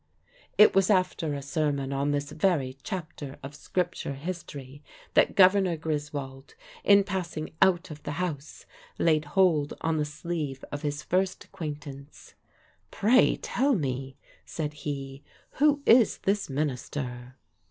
It was after a sermon on this very chapter of Scripture history that Governor Griswold, in passing out of the house, laid hold on the sleeve of his first acquaintance: "Pray tell me," said he, "who is this minister?"